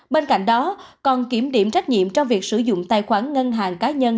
bên cạnh đó còn kiểm điểm trách nhiệm trong việc sử dụng tài khoản ngân hàng cá nhân